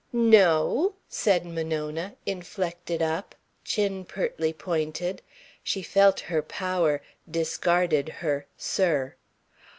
"No," said Monona, inflected up, chin pertly pointed. She felt her power, discarded her "sir."